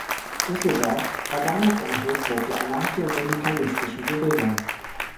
Düsseldorf war damals eine Hochburg der anarcho-syndikalistischen Bewegung.